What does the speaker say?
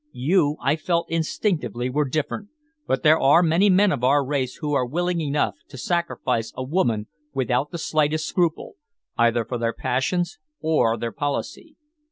"You I felt instinctively were different, but there are many men of our race who are willing enough to sacrifice a woman without the slightest scruple, either for their passions or their policy.